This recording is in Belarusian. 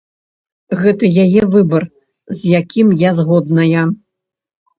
Гэта яе выбар, з якім я згодная.